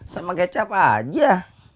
sama kecap aja